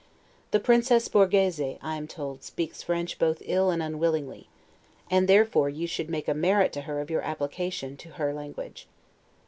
The Princess Borghese, I am told, speaks French both ill and unwillingly; and therefore you should make a merit to her of your application to her language.